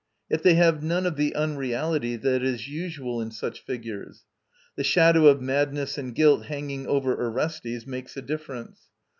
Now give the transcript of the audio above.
Yet they have none of the unreality that is usual in such figures. The shadow of madness and guilt hanging over Orestes makes a difference.